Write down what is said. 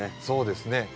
そうですね。